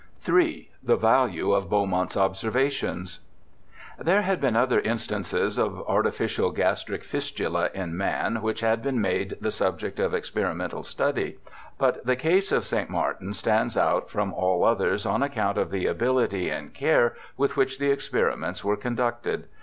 III. The Value of Beaumont's Observations There had been other instances of artificial gastric fistula in man which had been made the subject of A BACKWOOD PHYSIOLOGIST 173 experimental study, but the case of St. Martin stands out from all others on account of the ability and care with which the experiments were conducted.